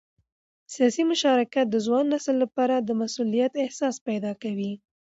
سیاسي مشارکت د ځوان نسل لپاره د مسؤلیت احساس پیدا کوي